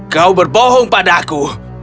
kau berbohong padaku